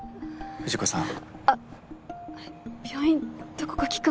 藤子さん！